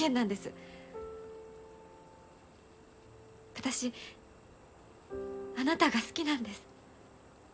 私あなたが好きなんです。